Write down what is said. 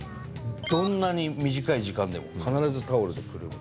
どんなに短い時間でも必ずタオルでくるむ。